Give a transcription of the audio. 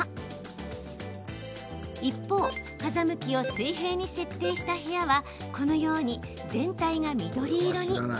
一方風向きを水平に設定した部屋はこのように全体が緑色に。